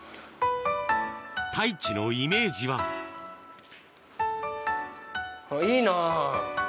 太一のイメージはいいな。